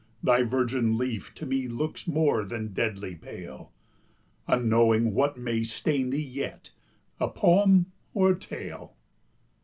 thy virgin leaf To me looks more than deadly pale, Unknowing what may stain thee yet, A poem or a tale.